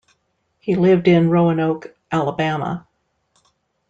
He lived in Roanoke, Alabama.